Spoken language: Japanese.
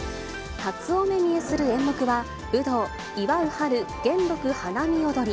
初お目見えする演目は、舞踊、祝春元禄花見踊。